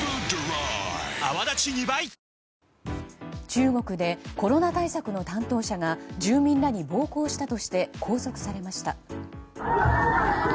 中国でコロナ対策の担当者が住民らに暴行したとして拘束されました。